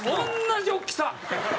同じ大きさ。